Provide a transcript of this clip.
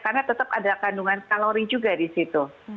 karena tetap ada kandungan kalori juga di situ